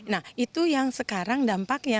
nah itu yang sekarang dampaknya